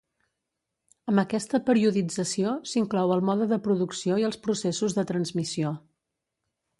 Amb aquesta periodització s’inclou el mode de producció i els processos de transmissió.